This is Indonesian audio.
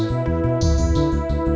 suhu yang macam itu lah